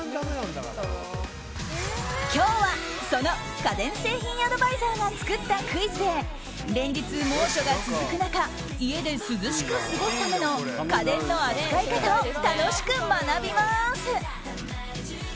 今日はその家電製品アドバイザーが作ったクイズで、連日猛暑が続く中家で涼しく過ごすための家電の扱い方を楽しく学びます。